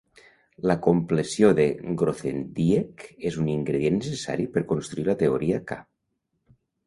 La compleció de Grothendieck és un ingredient necessari per construir la teoria K.